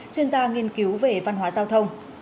chuyên gia nghiên cứu về văn hóa giao thông